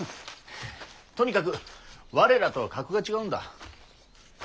とにかく我らとは格が違うんだ。